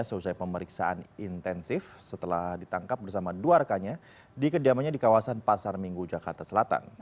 selesai pemeriksaan intensif setelah ditangkap bersama dua rekannya di kediamannya di kawasan pasar minggu jakarta selatan